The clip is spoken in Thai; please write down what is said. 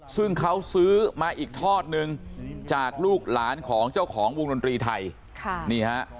ซึ่งเขาซื้อมาอีกทอดนึงจากลูกหลานของเจ้าของวงดนตรีไทยค่ะนี่ฮะ